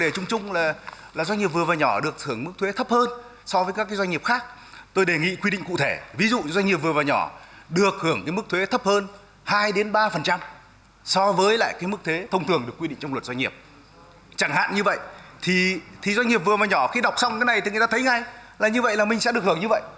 chẳng hạn như vậy thì doanh nghiệp vừa và nhỏ khi đọc xong cái này thì người ta thấy ngay là như vậy là mình sẽ được hưởng như vậy